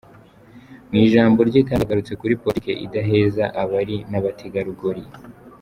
Mu ijambo rye kandi yagarutse kuri politiki idaheza abari n’abategarugori.